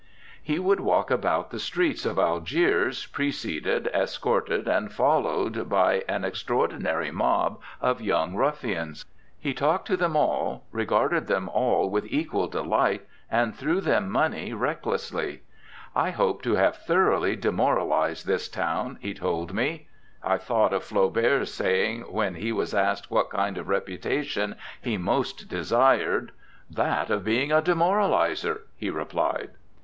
He would walk about the streets of Algiers preceded, escorted, and followed by an extraordinary mob of young ruffians. He talked to them all, regarded them all with equal delight, and threw them money recklessly. 'I hope to have thoroughly demoralized this town,' he told me. I thought of Flaubert's saying when he was asked what kind of reputation he most desired 'that of being a demoralizer,' he replied.